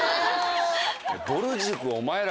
ぼる塾お前ら。